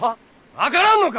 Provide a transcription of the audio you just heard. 分からんのか！？